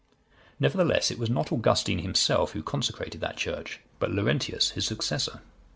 Nevertheless, it was not Augustine himself who consecrated that church, but Laurentius, his successor.